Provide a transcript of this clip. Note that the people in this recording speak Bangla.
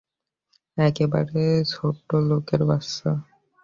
একেবারে ছোটোলোকের বাচ্চা।